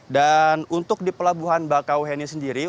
dan untuk di pelabuhan bakauheni sendiri